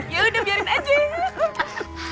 ya udah biarin aja